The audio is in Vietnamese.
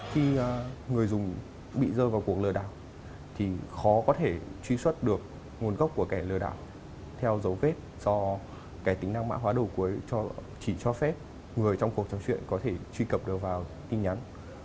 khi người dùng bị rơi vào cuộc lừa đảo thì khó có thể truy xuất được nguồn gốc của kẻ lừa đảo theo dấu vết do kẻ tính năng mã hóa đầu cuối chỉ cho phép người trong cuộc trò chuyện có thể truy cập được vào tin nhắn